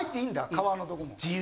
川のとこも。